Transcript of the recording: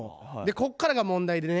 こっからが問題でね